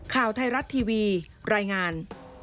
ข่าวไทยรัฐทีวีรายงาน